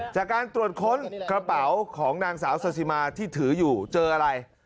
จากการตรวจค้นกระเป๋าของนางสาวซาซิมาที่ถืออยู่เจออะไร